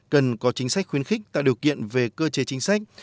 cần có chính sách khuyến khích tạo điều kiện về cơ chế chính sách